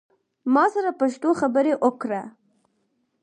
ما سره پښتو خبری اوکړه